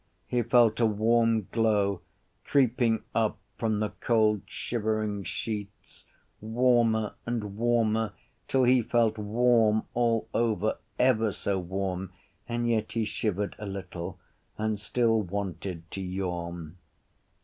He felt a warm glow creeping up from the cold shivering sheets, warmer and warmer till he felt warm all over, ever so warm and yet he shivered a little and still wanted to yawn.